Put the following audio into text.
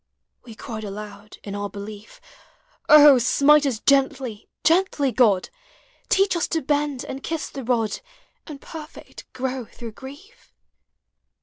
We cried aloud in our belief, " O, smite us gently, gently, God! Teach us to bend and kiss the rod, And perfect grow through grief."